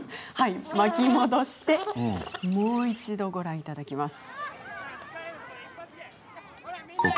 巻き戻してもう一度ご覧いただきます。